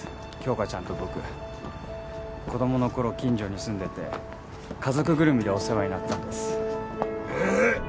杏花ちゃんと僕子供の頃近所に住んでて家族ぐるみでお世話になってたんですえー